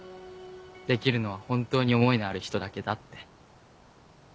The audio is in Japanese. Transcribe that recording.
できるのは本当に思いのある人だけだ」って。